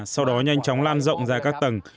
sau đó nhanh chóng lan rộng ra các tầng